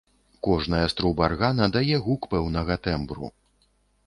Кожная з труб аргана дае гук пэўнага тэмбру.